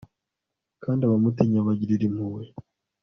kandi abamutinya abagirira impuhwe